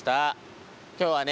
今日はね